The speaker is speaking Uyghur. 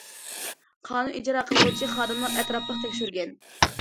قانۇن ئىجرا قىلغۇچى خادىملار ئەتراپلىق تەكشۈرگەن.